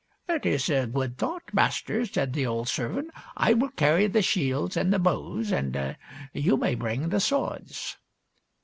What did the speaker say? " It is a good thought, master," said the old ser vant. " I will carry the shields and the bows, and you may bring the swords."